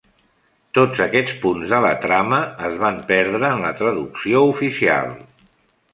Tots aquests punts de la trama es van perdre en la traducció oficial.